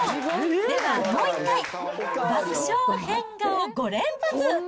ではもう１回、爆笑変顔５連発。